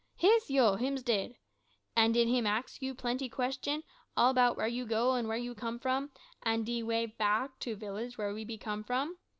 "Yis, ho! hims did. An' did him ax you plenty question, all 'bout where you go, an' where you come from, an' de way back to village where we be come from?